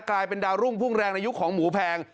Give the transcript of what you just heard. กลายเป็นดาวรุ่งพุ่งแรงในยุคของหมูแพง